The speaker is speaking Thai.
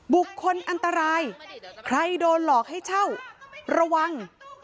บุคคลอันตรายใครโดนหลอกให้เช่าระวัง